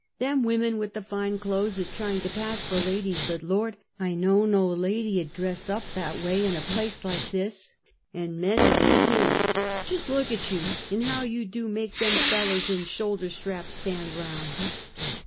Them women with the fine clothes is trying to pass for ladies, but, Lord! I know no lady 'u'd dress up that way in a place like this, an' men know it, too — just look at yon, an' how you do make them fellers in shoulderstraps stand 'round!"